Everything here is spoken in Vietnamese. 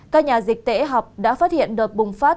các nhà dịch tễ học đã phát hiện đợt bùng phát